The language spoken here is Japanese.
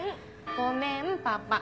ごめんパパ。